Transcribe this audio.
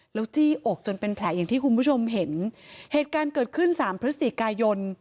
แล้วจี้อกจนเป็นแผลอย่างที่คุณผู้ชมเห็นเหตุการณ์เกิดขึ้นสามพฤศจิกายน